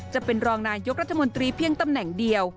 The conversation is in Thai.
จะเป็นรองนายกรัฐมนตรีเพียงตำแหน่งเดียว